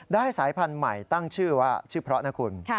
สายพันธุ์ใหม่ตั้งชื่อว่าชื่อเพราะนะคุณ